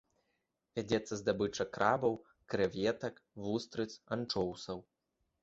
Вядзецца здабыча крабаў, крэветак, вустрыц, анчоўсаў.